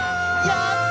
やった！